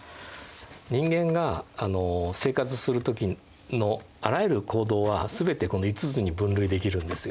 人間が生活する時のあらゆる行動は全てこの５つに分類できるんですよ